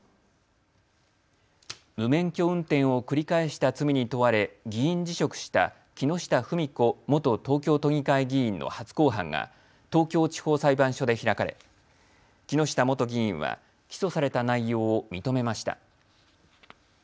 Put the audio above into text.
免許を運転を繰り返した罪に問われ、議員辞職した木下富美子元東京都議会議員の初公判が東京地方裁判所で開かれ木下元議員は起訴された内容を認めました。